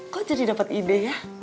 kok jadi dapat ide ya